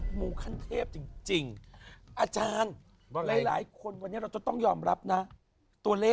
หมูเตรุไม่เข้าใครออกใคร